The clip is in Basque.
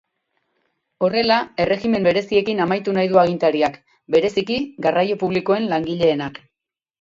Horrela, erregimen bereziekin amaitu nahi du agintariak, bereziki garraio publikoen langileenak.